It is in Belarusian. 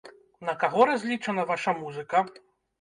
На каго разлічана ваша музыка?